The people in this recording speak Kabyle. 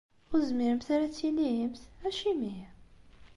Ur tezmiremt ara ad tilimt? Acimi?